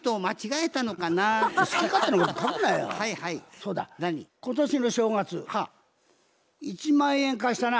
そうだ今年の正月１万円貸したな？